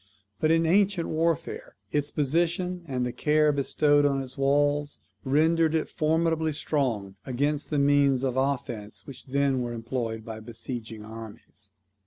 But in ancient warfare its position, and the care bestowed on its walls, rendered it formidably strong against the means of offence which then were employed by besieging armies.